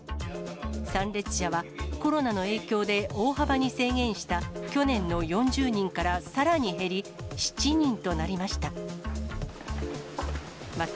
参列者は、コロナの影響で大幅に制限した去年の４０人からさらに減り、７人となりました。